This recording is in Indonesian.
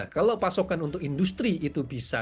kalau pasokan untuk industri itu bisa